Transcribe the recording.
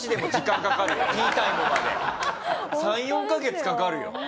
３４カ月かかるよ。